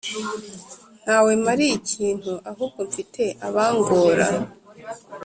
ntawe mariye ikintu ahubwo mfite aba ngora